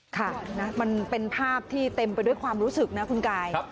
ค่ะมันเป็นภาพที่เต็มไปด้วยความรู้สึกนะคุณกาย